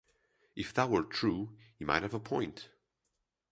If that were true, he might have a point.